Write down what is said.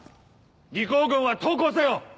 魏興軍は投降せよ！